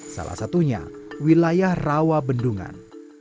salah satunya wilayah rawa bendungan